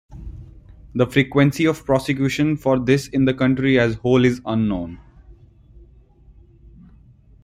The frequency of prosecutions for this in the country as whole is unknown.